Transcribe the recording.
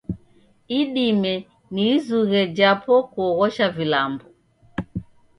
Idime ni izughe jhapo kuoghosha vilambo.